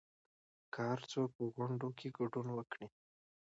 که هرڅوک په غونډو کې ګډون وکړي